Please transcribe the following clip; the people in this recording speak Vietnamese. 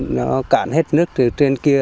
nó cạn hết nước từ trên kia